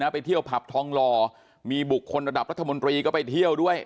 ไปเที่ยวผับทองหล่อมีบุคคลระดับรัฐมนตรีก็ไปเที่ยวด้วย